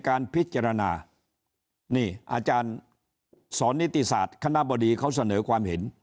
การพิจารณานี่อาจารย์สอนนิติศาสตร์คณะบดีเขาเสนอความเห็น